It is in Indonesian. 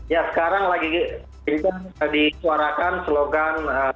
ya sekarang lagi bisa disuarakan slogan